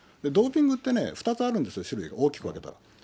ドーピングってね、２つあるんですよ、種類が、大きく分けたら。